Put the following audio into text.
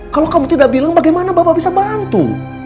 kalau kamu tidak bilang bagaimana bapak bisa bantu